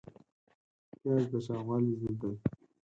پیاز د چاغوالي ضد دی